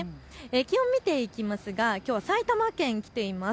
気温、見ていきますが、きょう埼玉県に来ています。